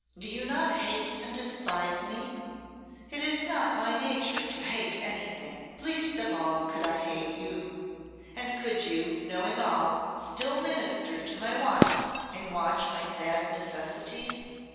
Do you not hate and despise me?' 'It is not my nature to hate anything; least of all could I hate you.' 'And could you, knowing all, still minister to my wants and watch my sad necessities?